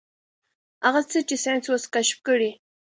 هغه څه چې ساينس اوس کشف کړي.